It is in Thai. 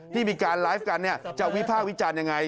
ที่มีการไลฟ์กันจะวิภาควิจารณ์ยังไง